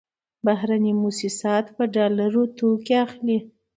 بهرني موسسات په ډالرو توکې اخلي.